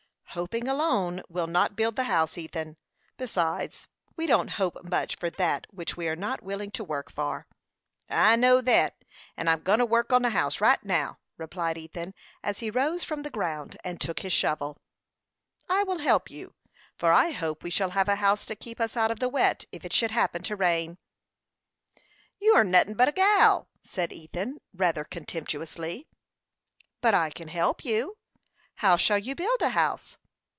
"Hoping alone will not build the house, Ethan; besides, we don't hope much for that which we are not willing to work for." "I know thet; and I'm go'n to work on the house right away now," replied Ethan, as he rose from the ground, and took his shovel. "I will help you, for I hope we shall have a house to keep us out of the wet if it should happen to rain." "You are nothin' but a gal," said Ethan, rather contemptuously. "But I can help you. How shall you build a house?"